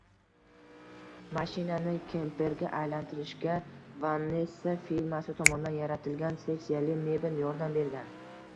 Mashinani kemperga aylantirishga VanEssa firmasi tomonidan yaratilgan seksiyali mebel yordam bergan